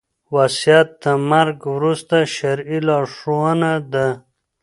وصيت د مرګ وروسته شرعي لارښوونه ده